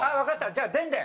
じゃあでんでん！